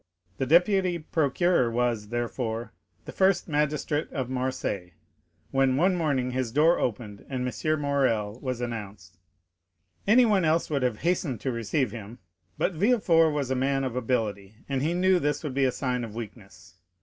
The deputy procureur was, therefore, the first magistrate of Marseilles, when one morning his door opened, and M. Morrel was announced. Anyone else would have hastened to receive him; but Villefort was a man of ability, and he knew this would be a sign of weakness.